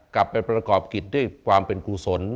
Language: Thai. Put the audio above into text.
กลับไปประกอบกิจด้วยความเป็นกุศล